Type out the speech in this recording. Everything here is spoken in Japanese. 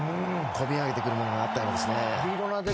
込み上げてくるものがあったようですね。